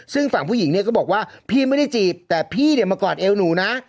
ซึ่งฝั่งผู้หญิงเนี่ยก็บอกว่าพี่ไม่ได้จีบแต่พี่เนี่ยมากอดเอวหนูนะ